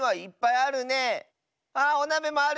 あおなべもある！